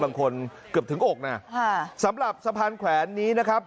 เกือบถึงอกนะสำหรับสะพานแขวนนี้นะครับ